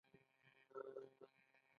آیا او پرمختګ وکړي؟